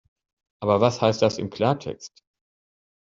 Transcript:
Aber was heißt das im Klartext?